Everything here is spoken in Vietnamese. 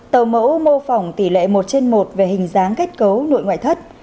tàu mẫu mô phỏng tỷ lệ một trên một về hình dáng kết cấu nội ngoại thất